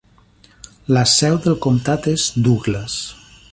La seu del comtat és Douglas.